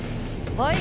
はい。